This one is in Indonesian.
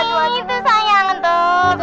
ini ini ini tuh sayang tuh